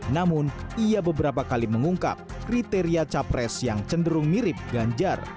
namun ia beberapa kali mengungkap kriteria capres yang cenderung mirip ganjar